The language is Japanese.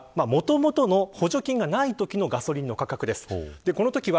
こちらは、もともとの補助金がないときのガソリンの価格です。